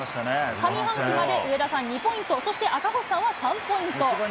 上半期まで、上田さん、２ポイント、そして赤星さんは３ポイント。